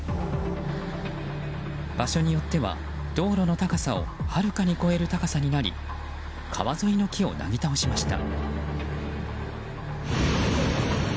場所によっては道路の高さをはるかに超える高さになり川沿いの木をなぎ倒しました。